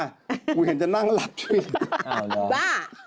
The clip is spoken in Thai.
กูเห็นถึงจะนั่งหลับจริงราชิต้อนรักชิบอ่าว